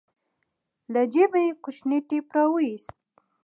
له جيبه يې کوچنى ټېپ راوايست.